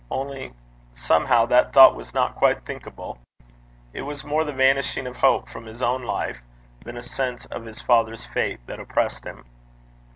Only somehow that thought was not quite thinkable. It was more the vanishing of hope from his own life than a sense of his father's fate that oppressed him.